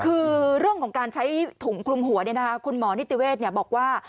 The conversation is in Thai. คือเรื่องของการใช้ถุงคลุมหัวคุณหมอนิติเวศบอกว่า